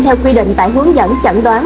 theo quy định tại hướng dẫn chẩn đoán